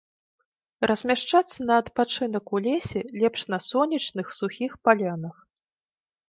Размяшчацца на адпачынак у лесе лепш на сонечных, сухіх палянах.